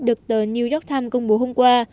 được tờ new york times công bố hôm qua